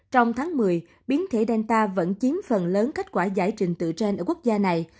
trong tháng một mươi biến thể danta vẫn chiếm phần lớn kết quả giải trình tự trên ở quốc gia này